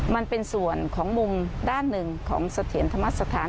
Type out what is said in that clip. มันเป็นส่วนของมุมด้านหนึ่งของเสถียรธรรมสถาน